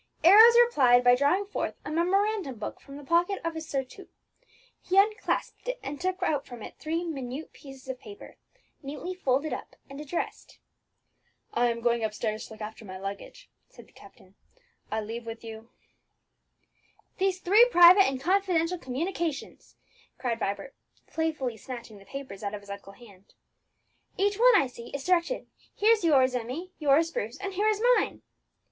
Arrows replied by drawing forth a memorandum book from the pocket of his surtout. He unclasped it, and took out from it three minute pieces of paper, neatly folded up and addressed. "I am going upstairs to look after my luggage," said the captain; "I leave with you " "These three private and confidential communications!" cried Vibert, playfully snatching the papers out of his uncle's hand. "Each one, I see, is directed: here's yours, Emmie; yours, Bruce; and here is mine!"